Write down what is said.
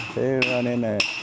thế nên là